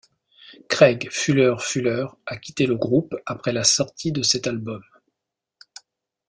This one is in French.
Craig Fuller Fuller a quitté le groupe après la sortie de cet album.